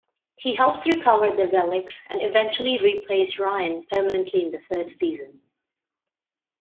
He helps recover the relics and eventually replaces Ryan permanently in the third season.